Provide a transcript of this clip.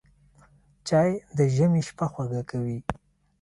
چای د ژمي شپه خوږه کوي